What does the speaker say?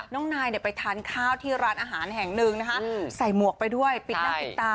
นายไปทานข้าวที่ร้านอาหารแห่งหนึ่งนะคะใส่หมวกไปด้วยปิดหน้าปิดตา